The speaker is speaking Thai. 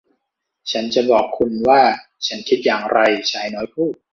ฉันจะบอกคุณว่าฉันคิดอย่างไรชายน้อยพูด